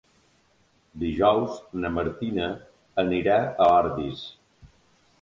Dijous na Martina anirà a Ordis.